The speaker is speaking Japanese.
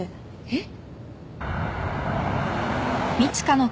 えっ？